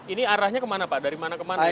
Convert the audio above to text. ini arahnya kemana pak dari mana kemana